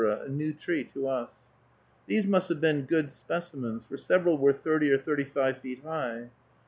a new tree to us. These must have been good specimens, for several were thirty or thirty five feet high.